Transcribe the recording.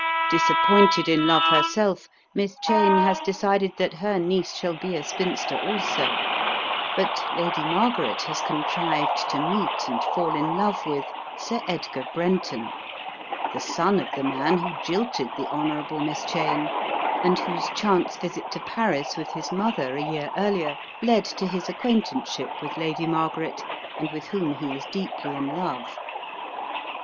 Disappointed in love herself, Miss Cheyne h&* decided that her niece shall be a spinster also % but Lady Margaret has contrived to meet and fall in love with Sol Edgar Brenton, the son of the man who jilted the Honourable Miss Cheyne, and whose chance visit to Paris with his mother, a year earlier, led to his acquaintanceship with Lady Margaret, and with whom he is deeply in love.